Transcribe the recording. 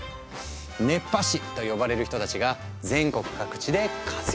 「熱波師」と呼ばれる人たちが全国各地で活躍中。